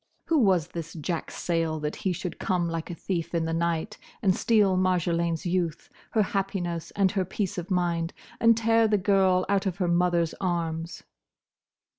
Who was this Jack Sayle that he should come like a thief in the night and steal Marjolaine's youth, her happiness and her peace of mind, and tear the girl out of her mother's arms?